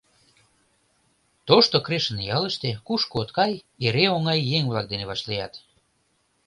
Тошто Крешын ялыште, кушко от кай, эре оҥай еҥ-влак дене вашлият.